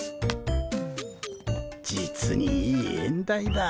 実にいい縁台だ。